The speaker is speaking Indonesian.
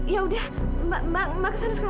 yaudah mbak kesana sekarang